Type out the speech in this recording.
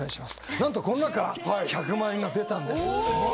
なんとこの中から１００万円が出たんです。